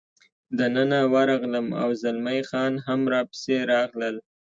دننه ورغلم، او زلمی خان هم را پسې راغلل.